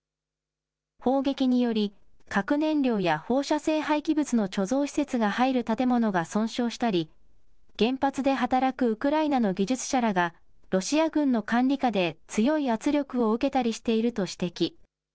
砲撃により、核燃料や放射性廃棄物の貯蔵施設が入る建物が損傷したり、原発で働くウクライナの技術者らがロシア軍の管理下で強い圧力を受けたりしていると指摘。